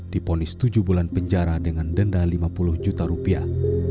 diponis tujuh bulan penjara dengan denda lima puluh juta rupiah